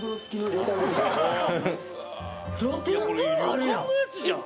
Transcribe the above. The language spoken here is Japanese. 旅館のやつじゃん。